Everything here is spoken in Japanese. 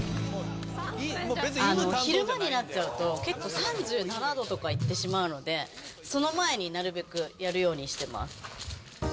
昼間になっちゃうと、結構、３７度とかいってしまうので、その前になるべくやるようにしてます。